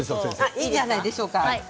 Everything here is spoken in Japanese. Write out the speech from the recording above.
いいんじゃないでしょうか。